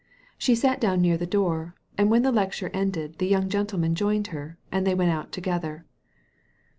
She sat down near the door, and when the lecture ended the young gentleman joined her, and they went out together."